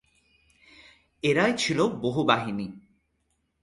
এরাই ছিল বহু বাহিনী।